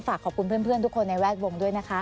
ฝากขอบคุณเพื่อนทุกคนในแวดวงด้วยนะคะ